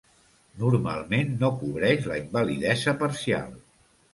Normalment no cobreix la invalidesa parcial.